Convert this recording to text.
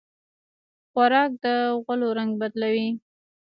خوراک د غولو رنګ بدلوي.